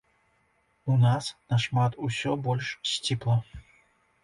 У нас нашмат усё больш сціпла.